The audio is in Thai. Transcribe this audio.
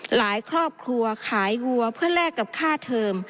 หลายครอบครัวขายวัวเพื่อแลกกับค่าเทอม